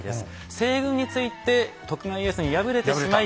西軍について徳川家康に敗れてしまい。